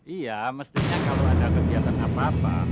iya mestinya kalau ada kegiatan apa apa